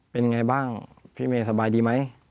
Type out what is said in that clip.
เป็นไงบ้างพี่เมย์สบายดีไหม